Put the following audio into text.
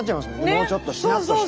もうちょっとしなっとして。